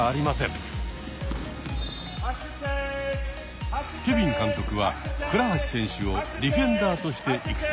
ケビン監督は倉橋選手をディフェンダーとして育成してきました。